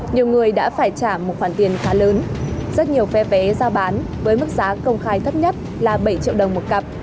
nhiều người đã phải trả một khoản tiền khá lớn rất nhiều phe vé giao bán với mức giá công khai thấp nhất là bảy triệu đồng một cặp